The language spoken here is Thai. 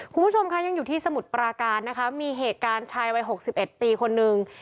คุณผู้ชมยังอยู่ที่สมุดปราการมีเหตุการณ์ชายเวลา๖๑ปีคนนึง